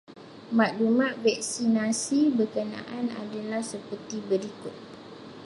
Maklumat vaksinasi berkenaan adalah seperti berikut.